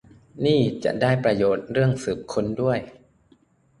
นี่จะได้ประโยชน์เรื่องสืบค้นด้วย